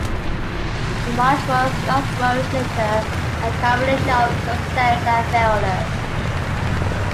The march was, Scott wrote later, "a combination of success and failure".